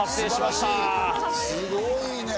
すごいね。